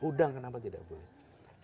udang kenapa tidak boleh